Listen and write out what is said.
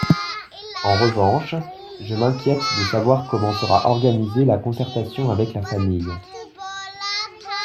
En revanche, je m’inquiète de savoir comment sera organisée la concertation avec la famille.